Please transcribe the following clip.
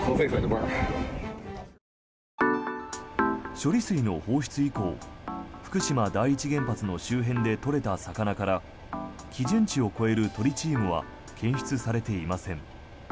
処理水の放出以降福島第一原発の周辺で取れた魚から基準値を超えるトリチウムは検出されていません。